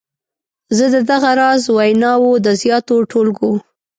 زه د دغه راز ویناوو د زیاتو ټولګو.